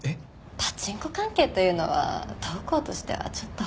パチンコ関係というのは当行としてはちょっと。